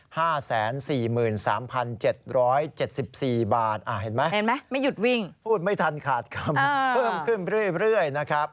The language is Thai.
เห็นไหมไม่หยุดวิ่งพูดไม่ทันขาดคำเพิ่มขึ้นเรื่อยนะครับ